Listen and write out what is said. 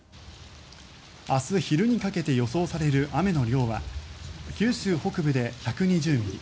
明日昼にかけて予想される雨の量は九州北部で１２０ミリ